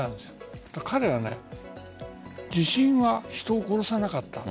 そしたら彼は地震は人を殺さなかった。